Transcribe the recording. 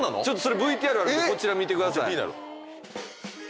ＶＴＲあるんでこちら見てください。